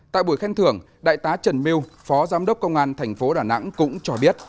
tại buổi khen thưởng đại tá trần miu phó giám đốc công an tp đà nẵng cũng cho biết